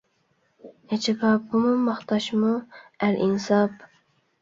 ئەجەبا بۇمۇ ماختاشمۇ، ئەلئىنساپ!!!